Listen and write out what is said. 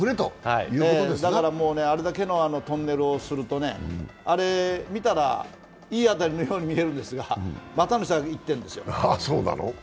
だからあれだけのトンネルをするとね、あれ見たらいい当たりのように見えるんですが股にいってるんですよ。